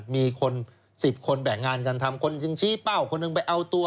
มีคน๑๐คนแบ่งงานกันทำคนจึงชี้เป้าคนหนึ่งไปเอาตัว